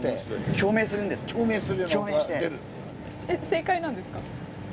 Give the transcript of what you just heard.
正解なんですか？